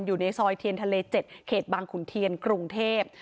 อยู่ในซอยเทียนทะเล๗เขตบางขุนเทียนกรุงเทพ